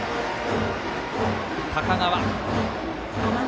高川。